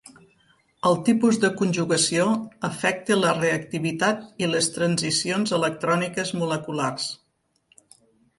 El tipus de conjugació afecta la reactivitat i les transicions electròniques moleculars.